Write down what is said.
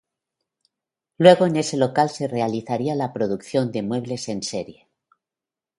Luego en ese local se realizaría la producción de muebles en serie.